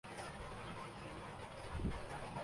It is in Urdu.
یہ پاکستان ہے۔